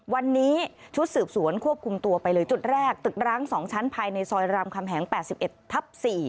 วันนี้ชุดสืบสวนควบคุมตัวไปเลยจุดแรกตึกร้าง๒ชั้นภายในซอยรามคำแหง๘๑ทับ๔